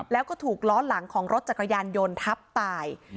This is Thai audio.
แล้วก็ถูกล้อหลังของรถจักรยานยนต์ทับตาย